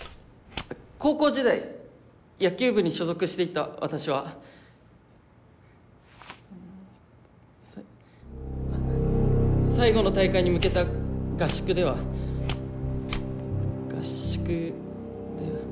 高校時代野球部に所属していた私はさ最後の大会に向けた合宿では合宿で。